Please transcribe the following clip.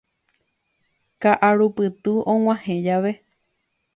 Ka'arupytũ og̃uahẽ jave